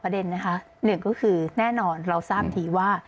นะคะหนึ่งก็คือแน่นอนเราทราบทีว่า